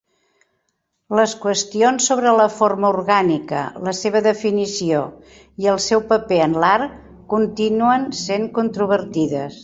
Les qüestions sobre la forma orgànica, la seva definició i el seu paper en l'art continuen sent controvertides.